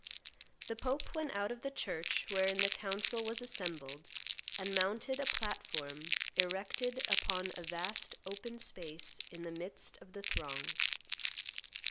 The Pope went out of the church wherein the Council was assembled and mounted a platform erected upon a vast open space in the midst of the throng.